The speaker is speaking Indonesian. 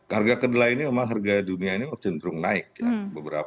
harga kedelai ini memang harga dunia ini cenderung naik ya